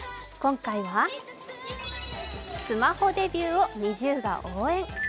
今回は、スマホデビューをＮｉｚｉＵが応援。